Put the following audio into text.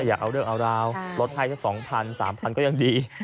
อยากเอาเรื่องเอาราวลดให้สัก๒๐๐๓๐๐ก็ยังดี